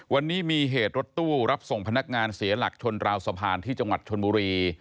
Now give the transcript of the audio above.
วันนี้มีเหตุรถตู้รับส่งพนักงานเสียหลักชนราวสะพานที่จังหวัดชนบุรี